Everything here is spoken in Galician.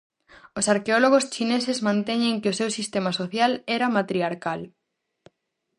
Os arqueólogos chineses manteñen que o seu sistema social era matriarcal.